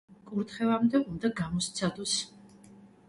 კურთხევამდე უნდა გამოსცადოს.